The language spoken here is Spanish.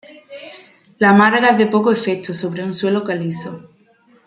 La marga es de poco efecto sobre un suelo calizo.